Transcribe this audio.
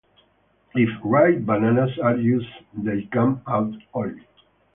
If ripe bananas are used, they come out oily.